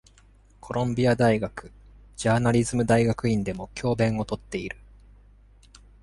コロンビア大学ジャーナリズム大学院でも教鞭をとっている。